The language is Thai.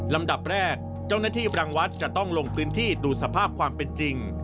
ลำดับแรกเจ้าหน้าที่รังวัดจะต้องลงพื้นที่ดูสภาพความเป็นจริง